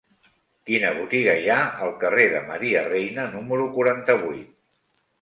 Quina botiga hi ha al carrer de Maria Reina número quaranta-vuit?